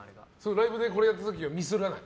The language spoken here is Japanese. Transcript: ライブでこれやった時はミスらない？